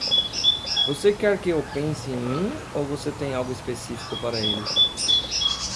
Você quer que eu pense em um ou você tem algo específico para eles?